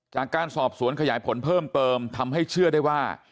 จากการสอบสวนขยายผลเพิ่มเติมทำให้เชื่อได้ว่า